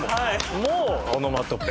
もうオノマトペ。